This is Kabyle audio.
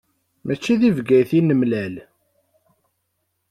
Mačči di Bgayet i nemlal.